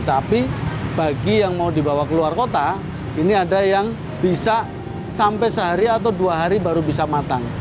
tapi bagi yang mau dibawa ke luar kota ini ada yang bisa sampai sehari atau dua hari baru bisa matang